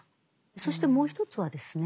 そしてもう一つはですね